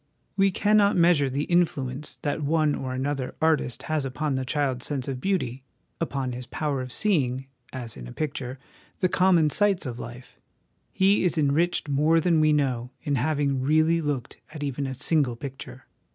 We cannot measure the influence that one or another artist has upon the child's sense of beauty, upon his power of seeing, as in a picture, the common sights of life ; he is enriched more than we know in having really looked at even a single picture.